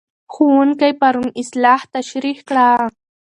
ښوونکی پرون اصلاح تشریح کړه.